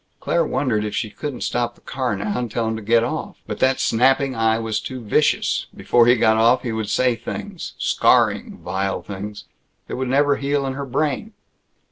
Claire wondered if she couldn't stop the car now, and tell him to get off. But that snapping eye was too vicious. Before he got off he would say things scarring, vile things, that would never heal in her brain.